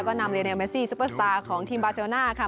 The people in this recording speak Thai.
ก็นำเรียนเมซี่ซุปเปอร์สตาร์ของทีมบาเซลน่าค่ะ